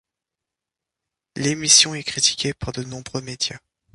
L'émission est critiquée par de nombreux médias.